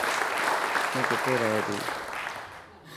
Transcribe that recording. تو ڪٿي رهي ٿي.